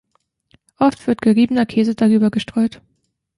Oft wird geriebener Käse darüber gestreut.